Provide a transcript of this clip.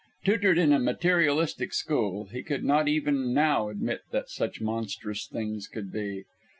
Tutored in a materialistic school, he could not even now admit that such monstrous things could be.